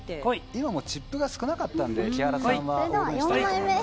今はチップが少なかったので木原さんはオールインしたのかと。